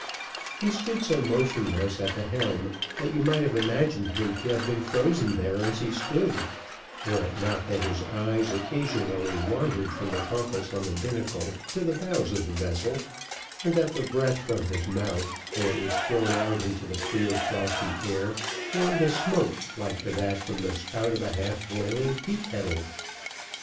He stood so motionless at the helm, that you might have imagined him to have been frozen there as he stood, were it not that his eyes occasionally wandered from the compass on the binnacle to the bows of the vessel, and that the breath from his mouth, when it was thrown out into the clear frosty air, formed a smoke like to that from the spout of a half boiling tea kettle.